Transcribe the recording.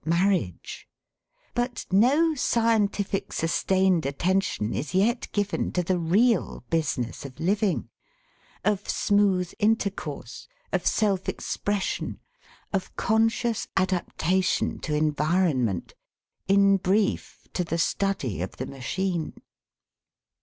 Marriage! But no scientific sustained attention is yet given to the real business of living, of smooth intercourse, of self expression, of conscious adaptation to environment in brief, to the study of the machine.